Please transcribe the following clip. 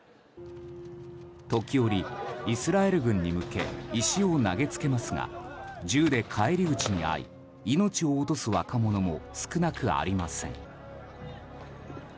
時折、イスラエル軍に向け石を投げつけますが銃で返り討ちに遭い命を落とす若者も少なくありません。